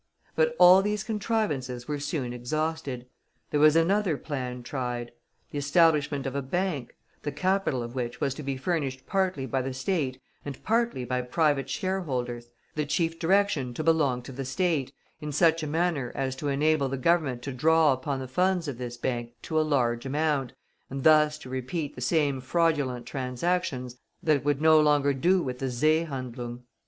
But all these contrivances were soon exhausted. There was another plan tried: the establishment of a bank, the capital of which was to be furnished partly by the State and partly by private shareholders; the chief direction to belong to the State, in such a manner as to enable the Government to draw upon the funds of this bank to a large amount, and thus to repeat the same fraudulent transactions that would no longer do with the "Seehandlung."